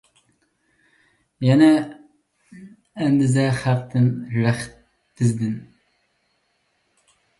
يەنى، ئەندىزە خەقتىن، رەخت بىزدىن.